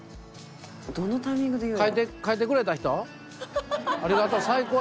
「どのタイミングで言うの？」